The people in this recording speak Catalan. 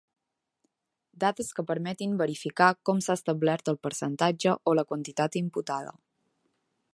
Dades que permetin verificar com s'ha establert el percentatge o la quantitat imputada.